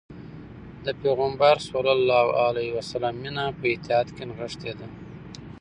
د پيغمبر ﷺ مینه په اطاعت کې نغښتې ده.